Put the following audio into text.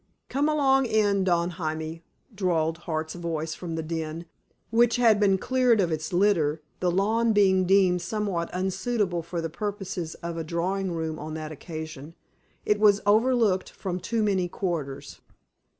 "Come along in, Don Jaime!" drawled Hart's voice from the "den," which had been cleared of its litter, the lawn being deemed somewhat unsuitable for the purposes of a drawing room on that occasion. It was overlooked from too many quarters.